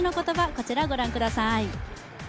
こちらをご覧ください。